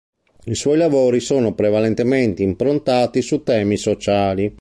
I suoi lavori sono prevalentemente improntati su temi sociali.